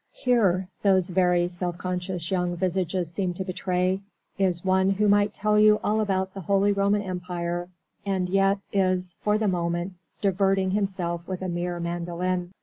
"Here," those very self conscious young visages seem to betray, "is one who might tell you all about the Holy Roman Empire, and yet is, for the moment, diverting himself with a mere mandolin."